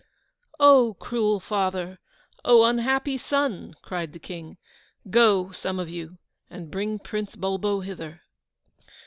'O cruel father O unhappy son!' cried the King. 'Go, some of you, and bring Prince Bulbo hither.